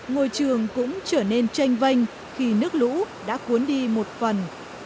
ngôi trường cũng trở nên tranh vanh khi nước lũ đã cuốn đi một phần